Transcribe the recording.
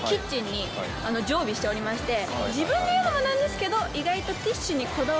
自分で言うのもなんですけど意外と。